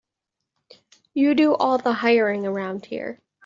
You do all the hiring around here.